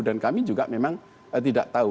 dan kami juga memang tidak tahu